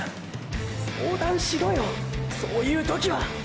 相談しろよそういう時は！